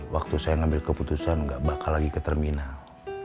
waktu saya ngambil keputusan nggak bakal lagi ke terminal